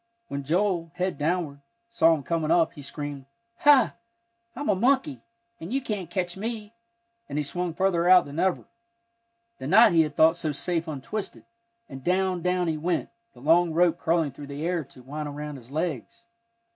When Joel, head downward, saw him coming up, he screamed, "Ha! I'm a monkey, and you can't catch me," and he swung farther out than ever. The knot he had thought so safe untwisted, and down, down, he went, the long rope curling through the air to wind around his legs.